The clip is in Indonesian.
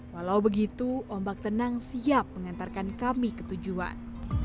walau begitu ombak tenang siap mengantarkan kami ke tujuan